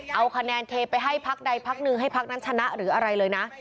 เอาคะแนนเทไปให้พักใดพักหนึ่งให้พักนั้นชนะหรืออะไรเลยนะ